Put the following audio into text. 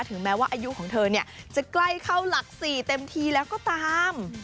แม้ว่าอายุของเธอจะใกล้เข้าหลัก๔เต็มทีแล้วก็ตาม